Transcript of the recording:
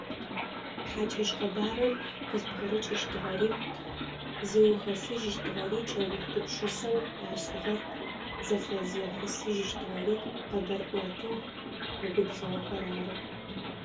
Хьакӏэщ къэбарыр къызпкъырыкӏыщтыгъэри зыухэсыщтыгъэри, кӏэух гупшысэу ашӏыгъэр зэфэзыхьысыжьыщтыгъэри къэбарӏотэ губзыгъэхэр ары.